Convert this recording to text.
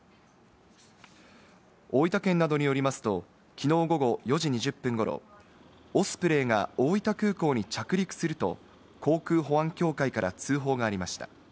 大分県などによりますと、きのう午後４時２０分頃、オスプレイが大分空港に着陸すると航空保安協会から通報がありました。